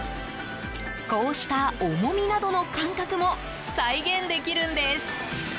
こうした重みなどの感覚も再現できるんです。